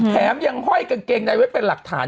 แถมยังห้อยกางเกงในไว้เป็นหลักฐาน